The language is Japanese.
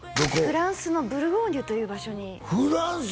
フランスのブルゴーニュという場所にフランス！？